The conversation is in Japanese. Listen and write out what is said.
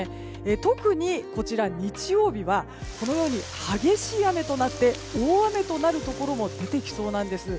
特に日曜日は激しい雨となって大雨となるところも出てきそうなんです。